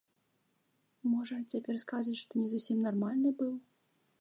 Можа, цяпер скажуць, што не зусім нармальны быў?